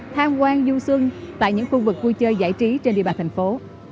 tham quan du xuân tại những khu vực vui chơi giải trí trên địa bàn thành phố